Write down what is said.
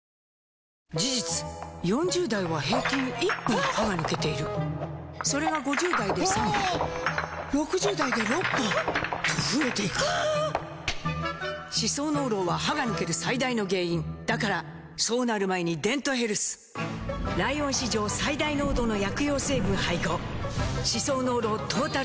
事実４０代は平均１本歯が抜けているそれが５０代で３本６０代で６本と増えていく歯槽膿漏は歯が抜ける最大の原因だからそうなる前に「デントヘルス」ライオン史上最大濃度の薬用成分配合歯槽膿漏トータルケア！